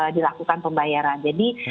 dilakukan pembayaran jadi